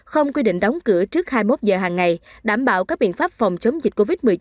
không quy định đóng cửa trước hai mươi một giờ hàng ngày đảm bảo các biện pháp phòng chống dịch covid một mươi chín